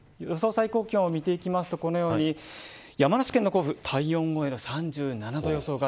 最高気温を見ていきますと山梨県の甲府体温超えの３７度です。